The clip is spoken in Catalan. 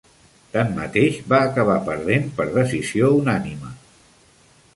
Tanmateix, va acabar perdent per decisió unànime.